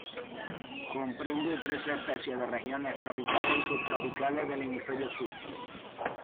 Comprende trece especies de regiones tropicales y subtropicales del Hemisferio Sur.